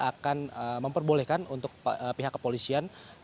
akan memperbolehkan untuk pihak kepolisian